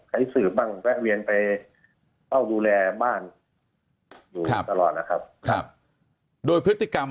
ใครสืบบ้างแวะเวียนไปเฝ้าดูแลบ้านอยู่ตลอดนะครับครับโดยพฤติกรรม